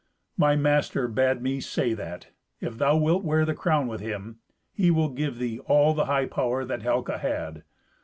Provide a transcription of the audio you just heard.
My master bade me say that, if thou wilt wear the crown with him, he will give thee all the high power that Helca had.